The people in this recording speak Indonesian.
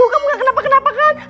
aduh kamu gak kenapa kenapakan